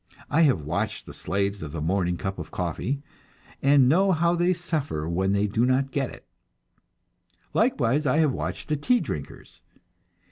I have watched the slaves of the "morning cup of coffee," and know how they suffer when they do not get it. Likewise, I have watched the tea drinkers.